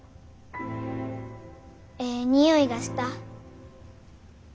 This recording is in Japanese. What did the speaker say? えい匂いがした。